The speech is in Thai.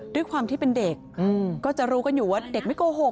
ด้วยความที่เป็นเด็กก็จะรู้กันอยู่ว่าเด็กไม่โกหก